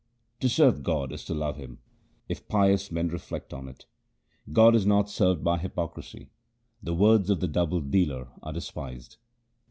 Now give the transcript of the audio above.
To serve God is to love Him, if pious men reflect on it. God is not served by hypocrisy : the words of the double dealer are despised.